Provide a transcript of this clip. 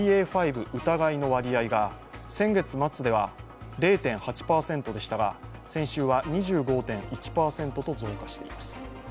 ５疑いの割合が先月末では０．８％でしたが先週は２５．１％と増加しています。